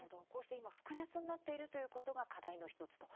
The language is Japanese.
今、複雑になっているということが課題の１つと。